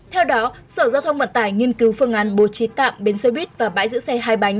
theo đó sở giao thông vận tải nghiên cứu phương án bố trí tạm biến xe buýt và bãi giữ xe hai bánh